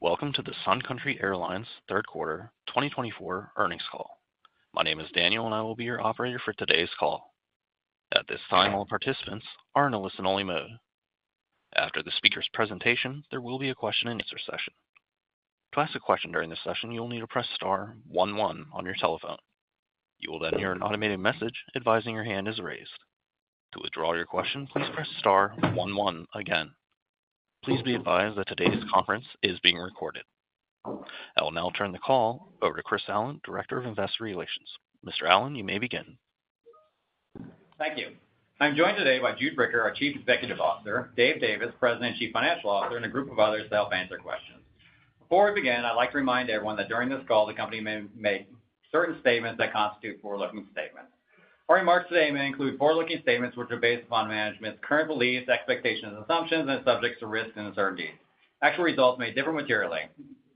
Welcome to the Sun Country Airlines third quarter 2024 earnings call. My name is Daniel, and I will be your operator for today's call. At this time, all participants are in a listen-only mode. After the speaker's presentation, there will be a question-and-answer session. To ask a question during this session, you will need to press star one one on your telephone. You will then hear an automated message advising your hand is raised. To withdraw your question, please press star one one again. Please be advised that today's conference is being recorded. I will now turn the call over to Chris Allen, Director of Investor Relations. Mr. Allen, you may begin. Thank you. I'm joined today by Jude Bricker, our Chief Executive Officer, Dave Davis, President and Chief Financial Officer, and a group of others to help answer questions. Before we begin, I'd like to remind everyone that during this call, the company may make certain statements that constitute forward-looking statements. Our remarks today may include forward-looking statements which are based upon management's current beliefs, expectations, and assumptions, and subject to risks and uncertainties. Actual results may differ materially.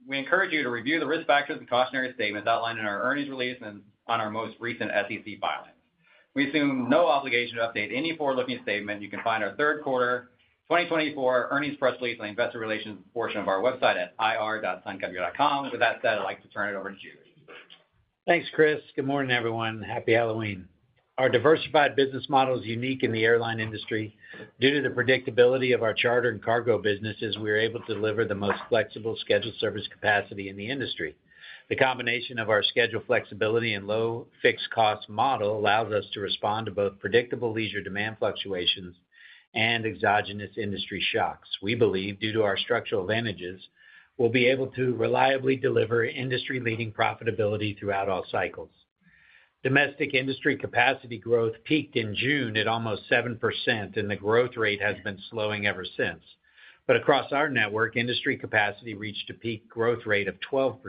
We encourage you to review the risk factors and cautionary statements outlined in our earnings release and on our most recent SEC filings. We assume no obligation to update any forward-looking statement. You can find our third quarter 2024 earnings press release and investor relations portion of our website at ir.suncountry.com. With that said, I'd like to turn it over to Jude. Thanks, Chris. Good morning, everyone. Happy Halloween. Our diversified business model is unique in the airline industry. Due to the predictability of our charter and cargo businesses, we are able to deliver the most flexible scheduled service capacity in the industry. The combination of our scheduled flexibility and low fixed cost model allows us to respond to both predictable leisure demand fluctuations and exogenous industry shocks. We believe, due to our structural advantages, we'll be able to reliably deliver industry-leading profitability throughout all cycles. Domestic industry capacity growth peaked in June at almost 7%, and the growth rate has been slowing ever since. But across our network, industry capacity reached a peak growth rate of 12%.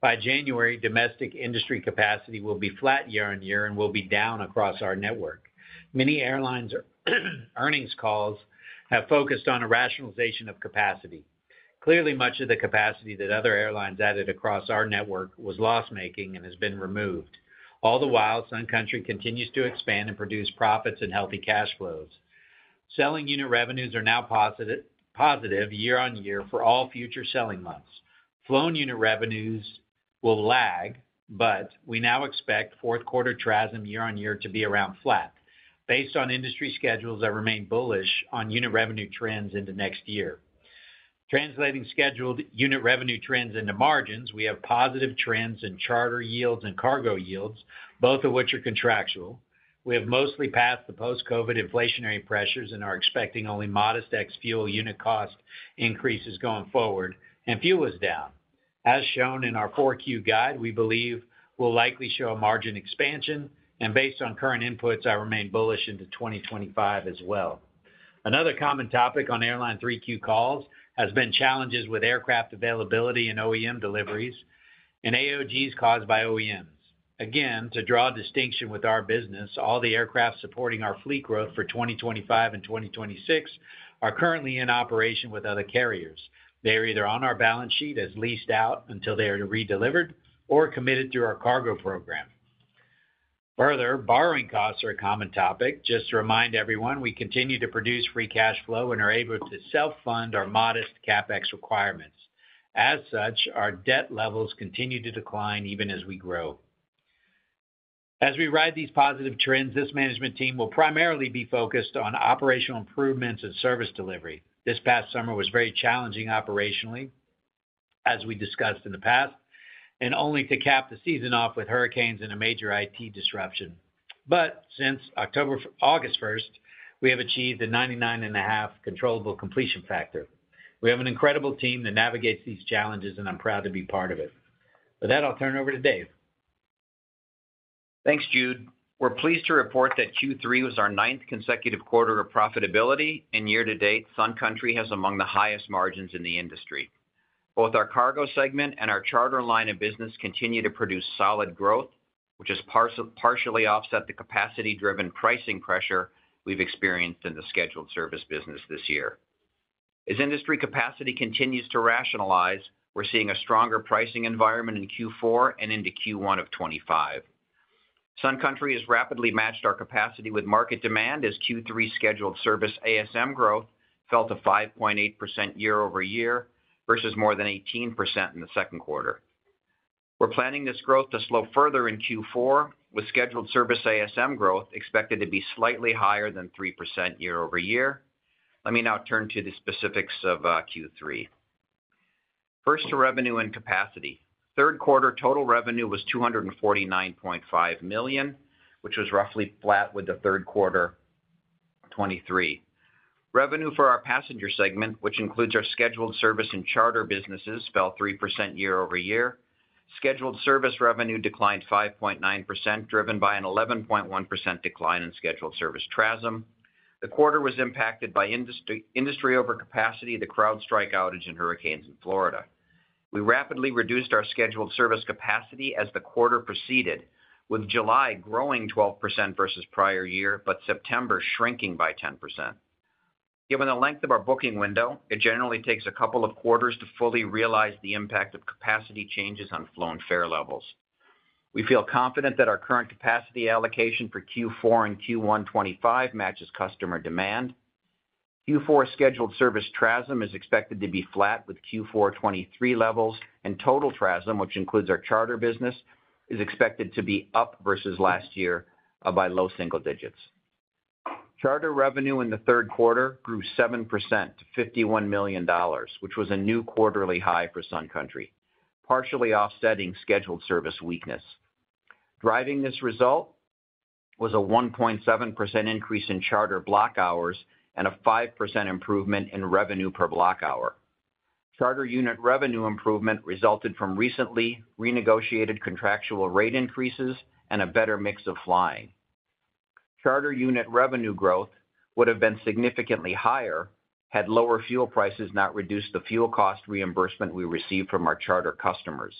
By January, domestic industry capacity will be flat year on year and will be down across our network. Many airlines' earnings calls have focused on a rationalization of capacity. Clearly, much of the capacity that other airlines added across our network was loss-making and has been removed. All the while, Sun Country continues to expand and produce profits and healthy cash flows. Selling unit revenues are now positive year on year for all future selling months. Flown unit revenues will lag, but we now expect fourth quarter RASM year on year to be around flat, based on industry schedules that remain bullish on unit revenue trends into next year. Translating scheduled unit revenue trends into margins, we have positive trends in charter yields and cargo yields, both of which are contractual. We have mostly passed the post-COVID inflationary pressures and are expecting only modest ex-fuel unit cost increases going forward, and fuel is down. As shown in our 4Q guide, we believe we'll likely show a margin expansion, and based on current inputs, I remain bullish into 2025 as well. Another common topic on airline 3Q calls has been challenges with aircraft availability and OEM deliveries and AOGs caused by OEMs. Again, to draw a distinction with our business, all the aircraft supporting our fleet growth for 2025 and 2026 are currently in operation with other carriers. They are either on our balance sheet as leased out until they are redelivered or committed through our cargo program. Further, borrowing costs are a common topic. Just to remind everyone, we continue to produce free cash flow and are able to self-fund our modest CapEx requirements. As such, our debt levels continue to decline even as we grow. As we ride these positive trends, this management team will primarily be focused on operational improvements and service delivery. This past summer was very challenging operationally, as we discussed in the past, and only to cap the season off with hurricanes and a major IT disruption. But since August 1st, we have achieved a 99.5% controllable completion factor. We have an incredible team that navigates these challenges, and I'm proud to be part of it. With that, I'll turn it over to Dave. Thanks, Jude. We're pleased to report that Q3 was our ninth consecutive quarter of profitability, and year to date, Sun Country has among the highest margins in the industry. Both our cargo segment and our charter line of business continue to produce solid growth, which has partially offset the capacity-driven pricing pressure we've experienced in the scheduled service business this year. As industry capacity continues to rationalize, we're seeing a stronger pricing environment in Q4 and into Q1 of 2025. Sun Country has rapidly matched our capacity with market demand as Q3 scheduled service ASM growth fell to 5.8% year-over-year versus more than 18% in the second quarter. We're planning this growth to slow further in Q4, with scheduled service ASM growth expected to be slightly higher than 3% year-over-year. Let me now turn to the specifics of Q3. First, to revenue and capacity. Third quarter total revenue was $249.5 million, which was roughly flat with the third quarter 2023. Revenue for our passenger segment, which includes our scheduled service and charter businesses, fell 3% year-over-year. Scheduled service revenue declined 5.9%, driven by an 11.1% decline in scheduled service TRASM. The quarter was impacted by industry overcapacity, the CrowdStrike outage, and hurricanes in Florida. We rapidly reduced our scheduled service capacity as the quarter proceeded, with July growing 12% versus prior year, but September shrinking by 10%. Given the length of our booking window, it generally takes a couple of quarters to fully realize the impact of capacity changes on flown fare levels. We feel confident that our current capacity allocation for Q4 and Q1 2025 matches customer demand. Q4 scheduled service TRASMs is expected to be flat with Q4 2023 levels and total TRASMs, which includes our charter business, is expected to be up versus last year by low single digits. Charter revenue in the third quarter grew 7% to $51 million, which was a new quarterly high for Sun Country, partially offsetting scheduled service weakness. Driving this result was a 1.7% increase in charter block hours and a 5% improvement in revenue per block hour. Charter unit revenue improvement resulted from recently renegotiated contractual rate increases and a better mix of flying. Charter unit revenue growth would have been significantly higher had lower fuel prices not reduced the fuel cost reimbursement we received from our charter customers.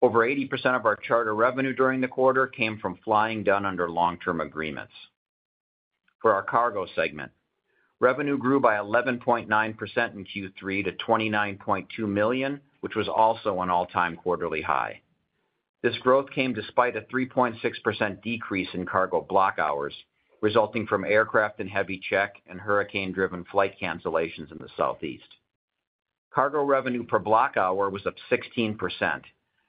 Over 80% of our charter revenue during the quarter came from flying done under long-term agreements. For our cargo segment, revenue grew by 11.9% in Q3 to $29.2 million, which was also an all-time quarterly high. This growth came despite a 3.6% decrease in cargo block hours, resulting from aircraft and heavy check and hurricane-driven flight cancellations in the Southeast. Cargo revenue per block hour was up 16%,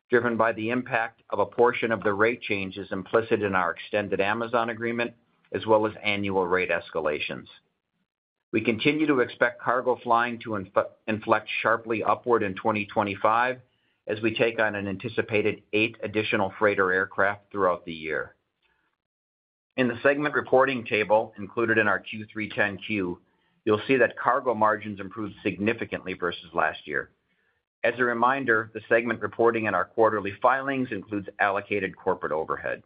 driven by the impact of a portion of the rate changes implicit in our extended Amazon agreement, as well as annual rate escalations. We continue to expect cargo flying to inflect sharply upward in 2025 as we take on an anticipated eight additional freighter aircraft throughout the year. In the segment reporting table included in our Q3 10-Q, you'll see that cargo margins improved significantly versus last year. As a reminder, the segment reporting in our quarterly filings includes allocated corporate overhead.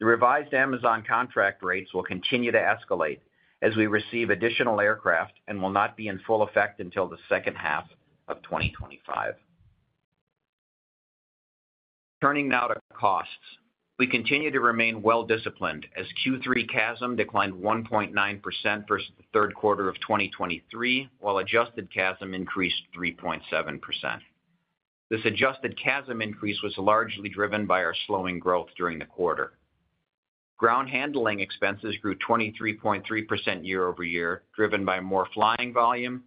The revised Amazon contract rates will continue to escalate as we receive additional aircraft and will not be in full effect until the second half of 2025. Turning now to costs, we continue to remain well-disciplined as Q3 CASM declined 1.9% versus the third quarter of 2023, while adjusted CASM increased 3.7%. This adjusted CASM increase was largely driven by our slowing growth during the quarter. Ground handling expenses grew 23.3% year-over-year, driven by more flying volume,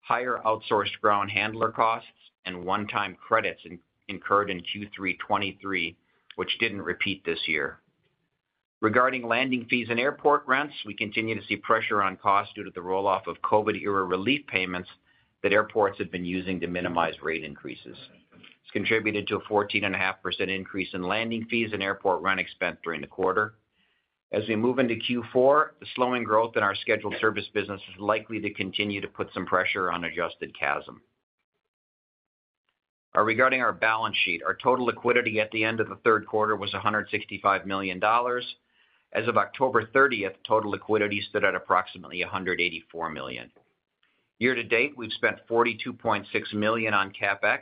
higher outsourced ground handler costs, and one-time credits incurred in Q3 2023, which didn't repeat this year. Regarding landing fees and airport rents, we continue to see pressure on costs due to the rolloff of COVID-era relief payments that airports have been using to minimize rate increases. This contributed to a 14.5% increase in landing fees and airport rent expense during the quarter. As we move into Q4, the slowing growth in our scheduled service business is likely to continue to put some pressure on adjusted CASM. Regarding our balance sheet, our total liquidity at the end of the third quarter was $165 million. As of October 30th, total liquidity stood at approximately $184 million. Year to date, we've spent $42.6 million on CapEx,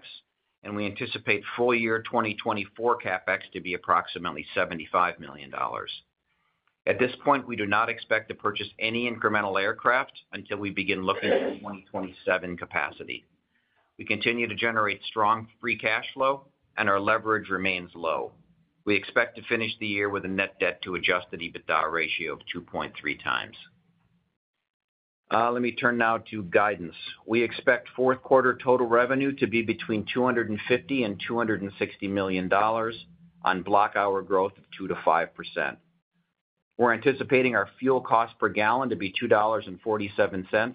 and we anticipate full year 2024 CapEx to be approximately $75 million. At this point, we do not expect to purchase any incremental aircraft until we begin looking at 2027 capacity. We continue to generate strong free cash flow, and our leverage remains low. We expect to finish the year with a net debt-to-adjusted EBITDA ratio of 2.3 times. Let me turn now to guidance. We expect fourth quarter total revenue to be between $250 and $260 million on block hour growth of 2%-5%. We're anticipating our fuel cost per gallon to be $2.47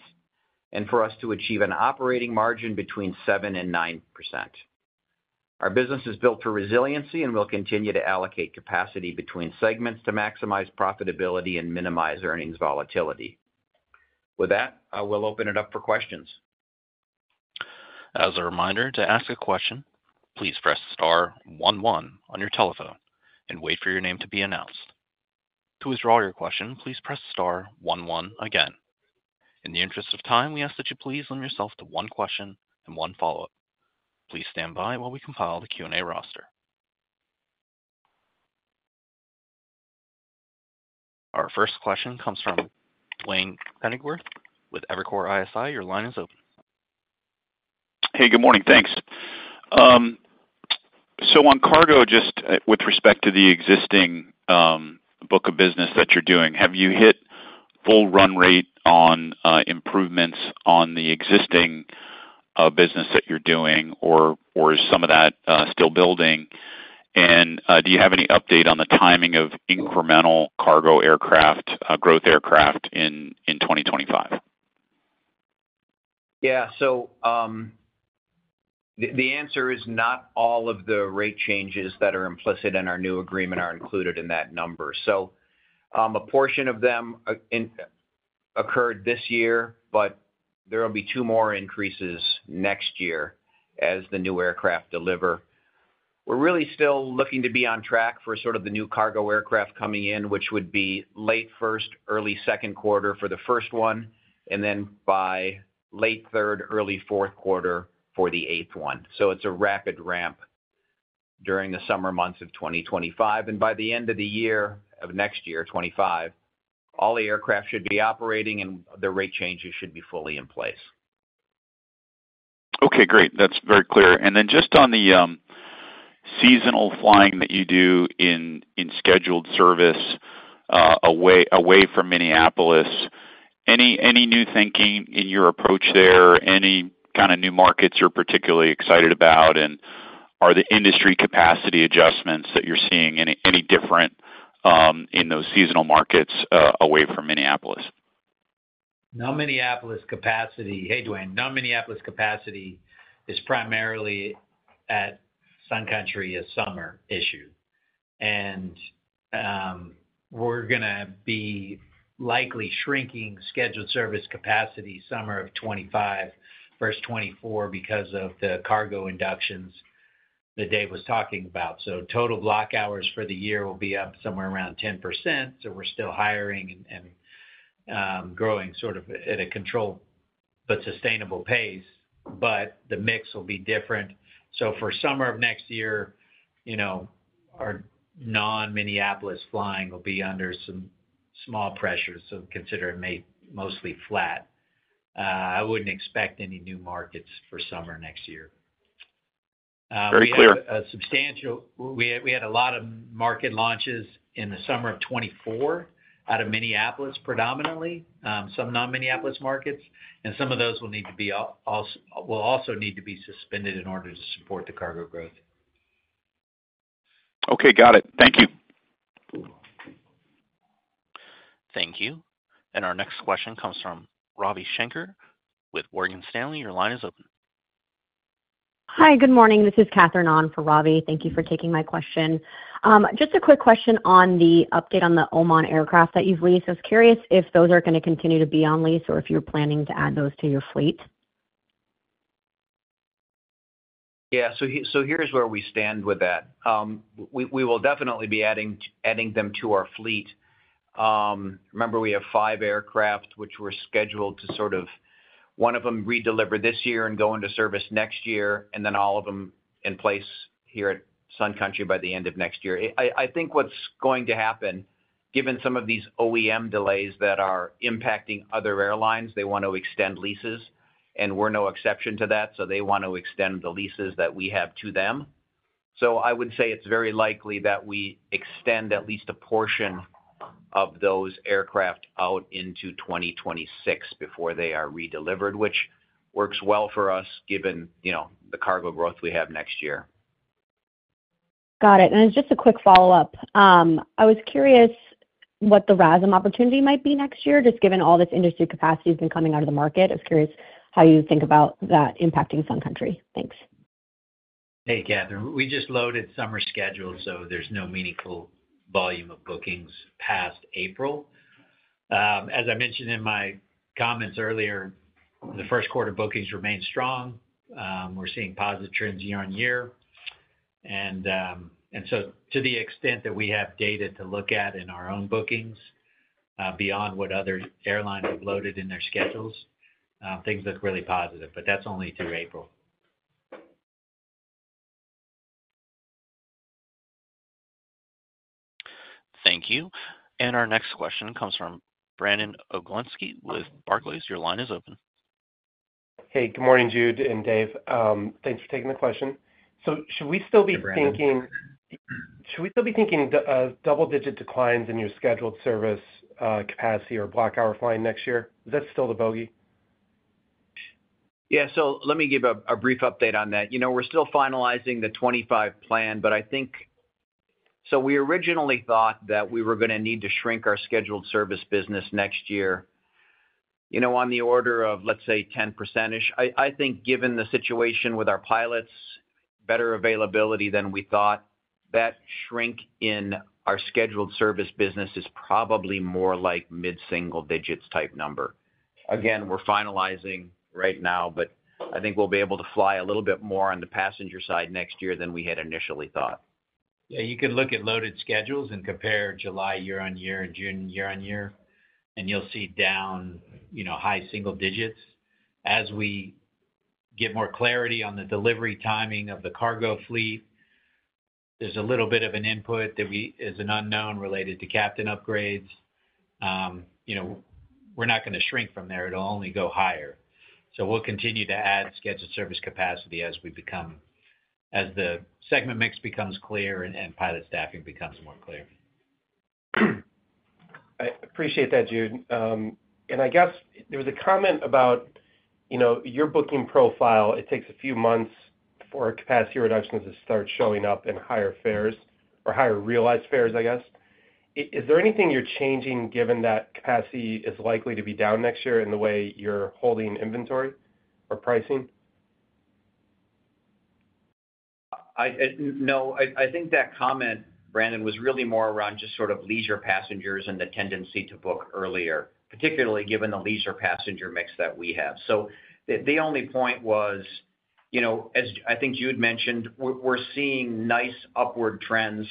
and for us to achieve an operating margin between 7% and 9%. Our business is built for resiliency, and we'll continue to allocate capacity between segments to maximize profitability and minimize earnings volatility. With that, I will open it up for questions. As a reminder, to ask a question, please press star one one on your telephone and wait for your name to be announced. To withdraw your question, please press star one one again. In the interest of time, we ask that you please limit yourself to one question and one follow-up. Please stand by while we compile the Q&A roster. Our first question comes from Duane Pfennigwerth with Evercore ISI. Your line is open. Hey, good morning. Thanks. So on cargo, just with respect to the existing book of business that you're doing, have you hit full run rate on improvements on the existing business that you're doing, or is some of that still building? And do you have any update on the timing of incremental cargo aircraft growth aircraft in 2025? Yeah. So the answer is not all of the rate changes that are implicit in our new agreement are included in that number. So a portion of them occurred this year, but there will be two more increases next year as the new aircraft deliver. We're really still looking to be on track for sort of the new cargo aircraft coming in, which would be late first, early second quarter for the first one, and then by late third, early fourth quarter for the eighth one. So it's a rapid ramp during the summer months of 2025. And by the end of the year of next year, 2025, all the aircraft should be operating, and the rate changes should be fully in place. Okay, great. That's very clear. And then just on the seasonal flying that you do in scheduled service away from Minneapolis, any new thinking in your approach there? Any kind of new markets you're particularly excited about? And are the industry capacity adjustments that you're seeing any different in those seasonal markets away from Minneapolis? No Minneapolis capacity. Hey, Duane, no Minneapolis capacity is primarily a Sun Country summer issue. And we're going to be likely shrinking scheduled service capacity summer of 2025 versus 2024 because of the cargo inductions that Dave was talking about. So total block hours for the year will be up somewhere around 10%. So we're still hiring and growing sort of at a controlled but sustainable pace, but the mix will be different. So for summer of next year, our non-Minneapolis flying will be under some small pressures, so consider it mostly flat. I wouldn't expect any new markets for summer next year. Very clear. We had a lot of market launches in the summer of 2024 out of Minneapolis predominantly, some non-Minneapolis markets, and some of those will also need to be suspended in order to support the cargo growth. Okay, got it. Thank you. Thank you. And our next question comes from Ravi Shankar with Morgan Stanley. Your line is open. Hi, good morning. This is Katherine Ahn for Ravi. Thank you for taking my question. Just a quick question on the update on the Oman aircraft that you've leased. I was curious if those are going to continue to be on lease or if you're planning to add those to your fleet? Yeah. So here's where we stand with that. We will definitely be adding them to our fleet. Remember, we have five aircraft, which were scheduled to sort of one of them redeliver this year and go into service next year, and then all of them in place here at Sun Country by the end of next year. I think what's going to happen, given some of these OEM delays that are impacting other airlines, they want to extend leases, and we're no exception to that. So they want to extend the leases that we have to them. So I would say it's very likely that we extend at least a portion of those aircraft out into 2026 before they are redelivered, which works well for us given the cargo growth we have next year. Got it. And just a quick follow-up. I was curious what the RASM opportunity might be next year, just given all this industry capacity has been coming out of the market. I was curious how you think about that impacting Sun Country? Thanks. Hey, Katherine. We just loaded summer schedule, so there's no meaningful volume of bookings past April. As I mentioned in my comments earlier, the first quarter bookings remain strong. We're seeing positive trends year on year, and so to the extent that we have data to look at in our own bookings beyond what other airlines have loaded in their schedules, things look really positive, but that's only through April. Thank you. And our next question comes from Brandon Oglenski with Barclays. Your line is open. Hey, good morning, Jude and Dave. Thanks for taking the question. So should we still be thinking double-digit declines in your scheduled service capacity or block-hour flying next year? Is that still the bogey? Yeah. So let me give a brief update on that. We're still finalizing the 2025 plan, but I think so we originally thought that we were going to need to shrink our scheduled service business next year on the order of, let's say, 10%-ish. I think given the situation with our pilots, better availability than we thought, that shrink in our scheduled service business is probably more like mid-single digits type number. Again, we're finalizing right now, but I think we'll be able to fly a little bit more on the passenger side next year than we had initially thought. Yeah. You can look at loaded schedules and compare July year on year and June year on year, and you'll see down high single digits. As we get more clarity on the delivery timing of the cargo fleet, there's a little bit of an input that is an unknown related to captain upgrades. We're not going to shrink from there. It'll only go higher. So we'll continue to add scheduled service capacity as the segment mix becomes clear and pilot staffing becomes more clear. I appreciate that, Jude. And I guess there was a comment about your booking profile. It takes a few months for capacity reductions to start showing up in higher fares or higher realized fares, I guess. Is there anything you're changing given that capacity is likely to be down next year in the way you're holding inventory or pricing? No. I think that comment, Brandon, was really more around just sort of leisure passengers and the tendency to book earlier, particularly given the leisure passenger mix that we have. So the only point was, as I think Jude mentioned, we're seeing nice upward trends,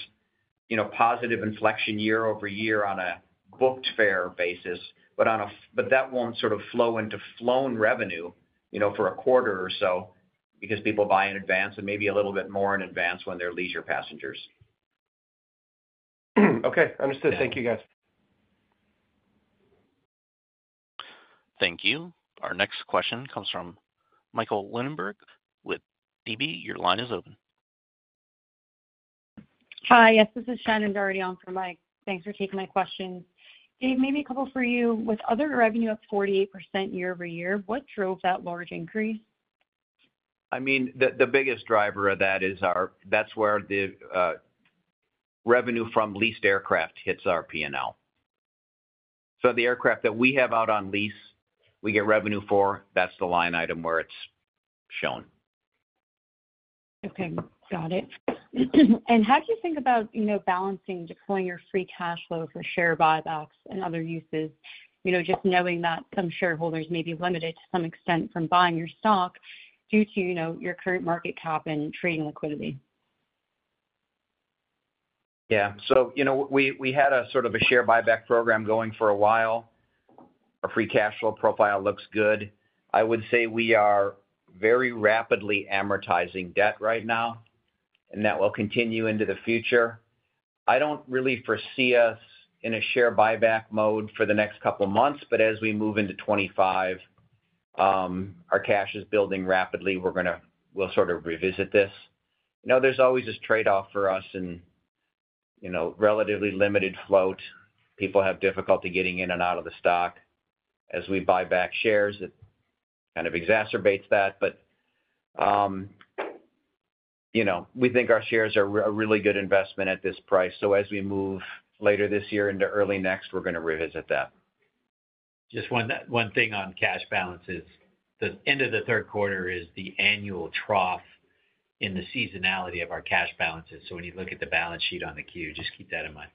positive inflection year-over-year on a booked fare basis, but that won't sort of flow into flown revenue for a quarter or so because people buy in advance and maybe a little bit more in advance when they're leisure passengers. Okay. Understood. Thank you, guys. Thank you. Our next question comes from Michael Lindenberg with DB. Your line is open. Hi. Yes, this is Shannon Doherty on for Mike. Thanks for taking my questions. Dave, maybe a couple for you. With other revenue up 48% year-over-year, what drove that large increase? I mean, the biggest driver of that is ours. That's where the revenue from leased aircraft hits our P&L. So the aircraft that we have out on lease, we get revenue for. That's the line item where it's shown. Okay. Got it. And how do you think about balancing deploying your free cash flow for share buybacks and other uses, just knowing that some shareholders may be limited to some extent from buying your stock due to your current market cap and trading liquidity? Yeah. So we had a sort of a share buyback program going for a while. Our free cash flow profile looks good. I would say we are very rapidly amortizing debt right now, and that will continue into the future. I don't really foresee us in a share buyback mode for the next couple of months, but as we move into 2025, our cash is building rapidly. We'll sort of revisit this. There's always this trade-off for us in relatively limited float. People have difficulty getting in and out of the stock. As we buy back shares, it kind of exacerbates that. But we think our shares are a really good investment at this price. So as we move later this year into early next, we're going to revisit that. Just one thing on cash balances. The end of the third quarter is the annual trough in the seasonality of our cash balances, so when you look at the balance sheet on the 10-Q, just keep that in mind.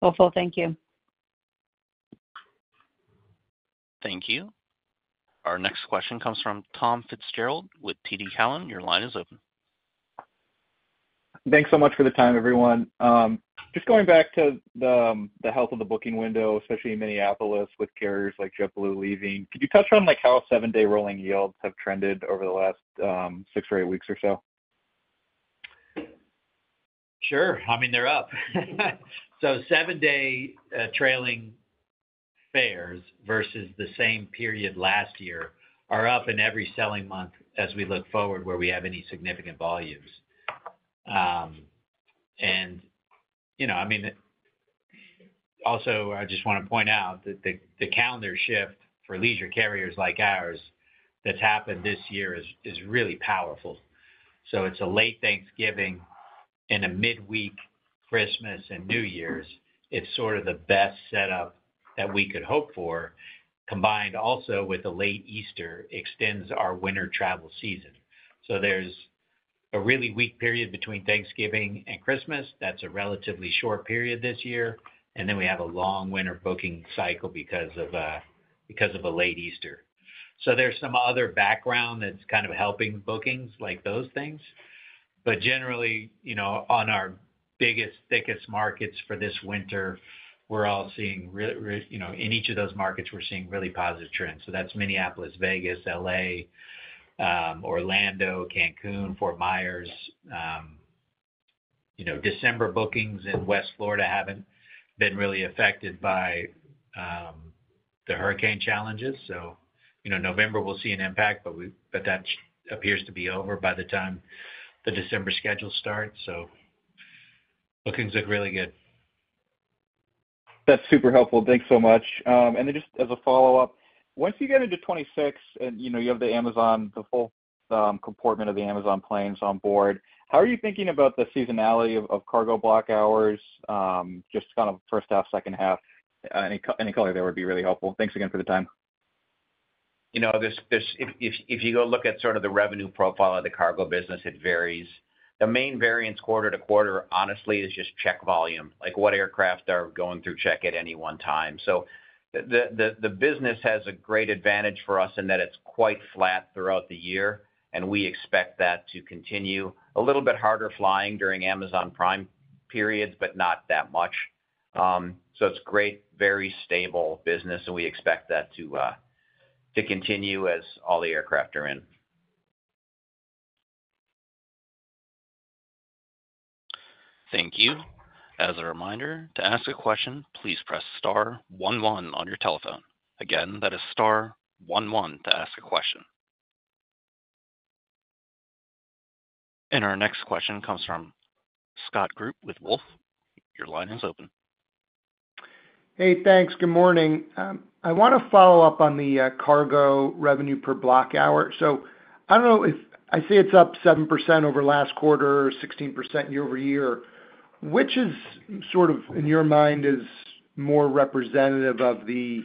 Helpful. Thank you. Thank you. Our next question comes from Tom Fitzgerald with TD Cowen. Your line is open. Thanks so much for the time, everyone. Just going back to the health of the booking window, especially in Minneapolis with carriers like JetBlue leaving, could you touch on how seven-day rolling yields have trended over the last six or eight weeks or so? Sure. I mean, they're up, so seven-day trailing fares versus the same period last year are up in every selling month as we look forward where we have any significant volumes. And I mean, also, I just want to point out that the calendar shift for leisure carriers like ours that's happened this year is really powerful, so it's a late Thanksgiving and a midweek Christmas and New Year's. It's sort of the best setup that we could hope for, combined also with a late Easter extends our winter travel season, so there's a really weak period between Thanksgiving and Christmas. That's a relatively short period this year, and then we have a long winter booking cycle because of a late Easter, so there's some other background that's kind of helping bookings like those things. But generally, on our biggest, thickest markets for this winter, we're all seeing in each of those markets, we're seeing really positive trends. So that's Minneapolis, Vegas, LA, Orlando, Cancun, Fort Myers. December bookings in West Florida haven't been really affected by the hurricane challenges. So November will see an impact, but that appears to be over by the time the December schedule starts. So bookings look really good. That's super helpful. Thanks so much. And then just as a follow-up, once you get into 2026 and you have the Amazon, the full complement of the Amazon planes on board, how are you thinking about the seasonality of cargo block hours, just kind of first half, second half? Any color there would be really helpful. Thanks again for the time. If you go look at sort of the revenue profile of the cargo business, it varies. The main variance quarter to quarter, honestly, is just check volume, like what aircraft are going through check at any one time. So the business has a great advantage for us in that it's quite flat throughout the year, and we expect that to continue. A little bit harder flying during Amazon Prime periods, but not that much. So it's great, very stable business, and we expect that to continue as all the aircraft are in. Thank you. As a reminder, to ask a question, please press star one one on your telephone. Again, that is star 11 to ask a question. And our next question comes from Scott Group with Wolfe. Your line is open. Hey, thanks. Good morning. I want to follow up on the cargo revenue per block hour. So I don't know if I see it's up 7% over last quarter, 16% year-over-year. Which is sort of, in your mind, is more representative of the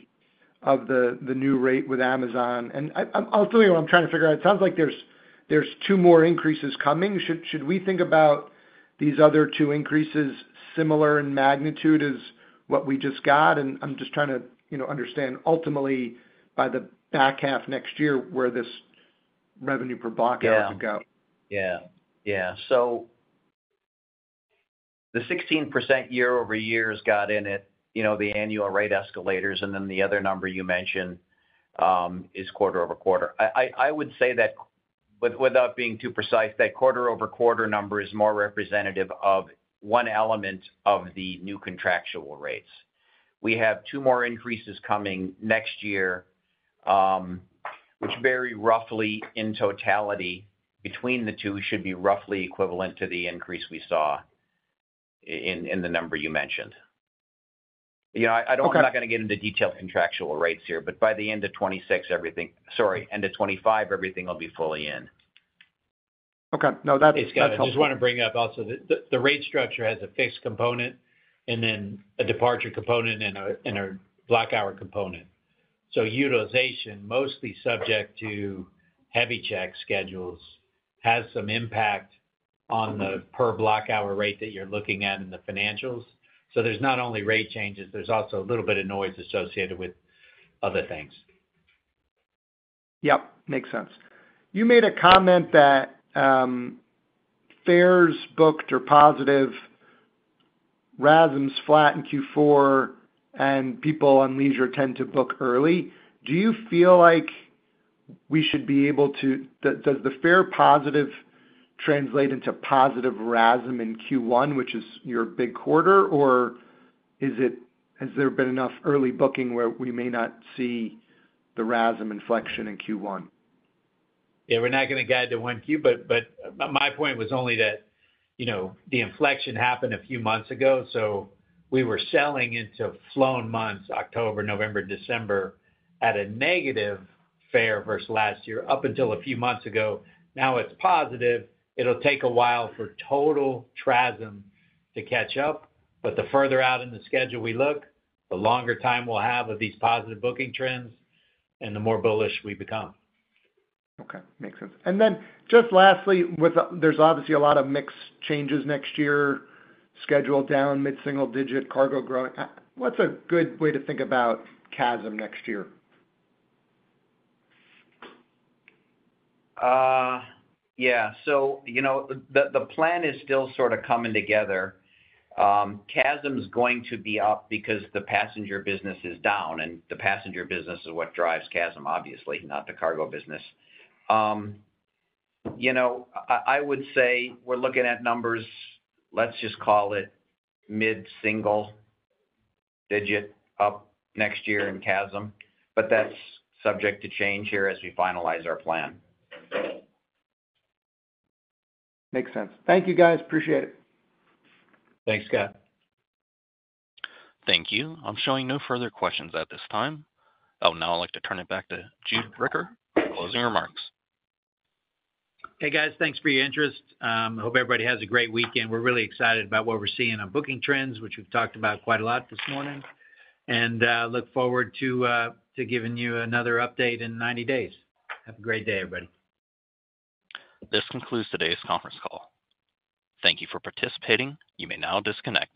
new rate with Amazon? And I'll tell you what I'm trying to figure out. It sounds like there's two more increases coming. Should we think about these other two increases similar in magnitude as what we just got? And I'm just trying to understand ultimately by the back half next year where this revenue per block has to go. Yeah. Yeah. Yeah. So the 16% year-over-year has got in it, the annual rate escalators, and then the other number you mentioned is quarter over quarter. I would say that without being too precise, that quarter over quarter number is more representative of one element of the new contractual rates. We have two more increases coming next year, which very roughly in totality between the two should be roughly equivalent to the increase we saw in the number you mentioned. I'm not going to get into detailed contractual rates here, but by the end of 2026, everything. Sorry, end of 2025, everything will be fully in. Okay. No, that's helpful. I just want to bring up also the rate structure has a fixed component and then a departure component and a block hour component. So utilization, mostly subject to heavy check schedules, has some impact on the per block hour rate that you're looking at in the financials. So there's not only rate changes, there's also a little bit of noise associated with other things. Yep. Makes sense. You made a comment that fares booked are positive, RASMs flat in Q4, and people on leisure tend to book early. Do you feel like we should be able to, does the fare positive translate into positive RASM in Q1, which is your big quarter, or has there been enough early booking where we may not see the RASM inflection in Q1? Yeah. We're not going to guide to 1Q, but my point was only that the inflection happened a few months ago. So we were selling into flown months, October, November, December, at a negative fare versus last year up until a few months ago. Now it's positive. It'll take a while for total TRASM to catch up. But the further out in the schedule we look, the longer time we'll have of these positive booking trends, and the more bullish we become. Okay. Makes sense. And then just lastly, there's obviously a lot of mixed changes next year, schedule down, mid-single digit cargo growing. What's a good way to think about CASM next year? Yeah, so the plan is still sort of coming together. CASM is going to be up because the passenger business is down, and the passenger business is what drives CASM, obviously, not the cargo business. I would say we're looking at numbers, let's just call it mid-single digit up next year in CASM, but that's subject to change here as we finalize our plan. Makes sense. Thank you, guys. Appreciate it. Thanks, Scott. Thank you. I'm showing no further questions at this time. Oh, now I'd like to turn it back to Jude Bricker, closing remarks. Hey, guys. Thanks for your interest. I hope everybody has a great weekend. We're really excited about what we're seeing on booking trends, which we've talked about quite a lot this morning, and look forward to giving you another update in 90 days. Have a great day, everybody. This concludes today's conference call. Thank you for participating. You may now disconnect.